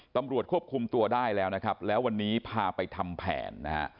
ตำรวจควบคุมตัวได้แล้วนะครับแล้ววันนี้พาไปทำแผนนะฮะ